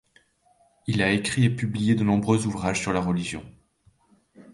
Il a écrit et publié de nombreux ouvrages sur la religion.